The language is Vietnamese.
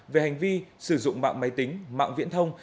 về hành vi sử dụng mạng máy tính mạng viễn thông